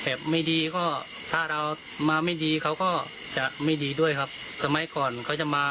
เออฟังชาวให้เขาเล่า